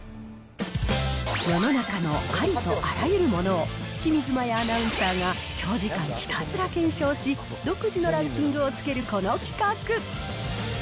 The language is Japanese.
世の中のありあらゆるものを清水麻椰アナウンサーが長時間ひたすら検証し、独自のランキングをつけるこの企画。